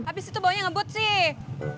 habis itu bawanya ngebut sih